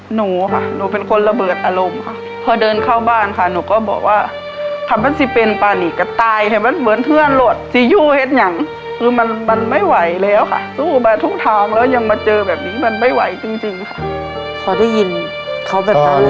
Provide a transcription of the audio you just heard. หนูค่ะหนูเป็นคนระเบิดอารมณ์ค่ะ